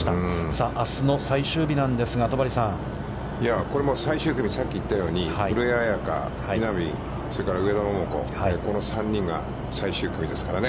さああすの最終日なんですが、戸張さん、これも最終組、さっき言ったように、古江彩佳、稲見、それから上田桃子、この３人が最終組ですからね。